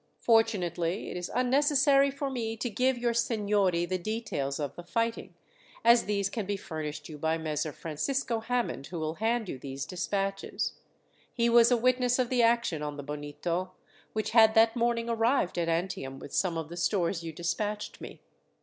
Fortunately it is unnecessary for me to give your seignory the details of the fighting, as these can be furnished you by Messer Francisco Hammond, who will hand you these despatches. He was a witness of the action on the Bonito, which had that morning arrived at Antium with some of the stores you despatched me.